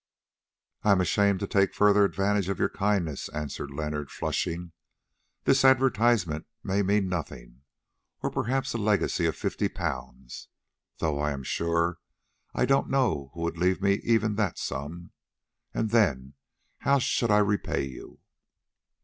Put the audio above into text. "I am ashamed to take further advantage of your kindness," answered Leonard, flushing. "This advertisement may mean nothing, or perhaps a legacy of fifty pounds, though I am sure I don't know who would leave me even that sum. And then, how should I repay you?"